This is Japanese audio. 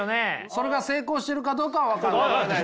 それが成功してるかどうかは分からない。